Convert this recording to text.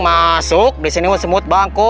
masuk disini semut bangko